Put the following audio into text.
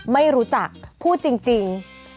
ไม่รู้จักพูดจริง